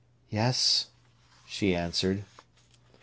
"Yes," she answered.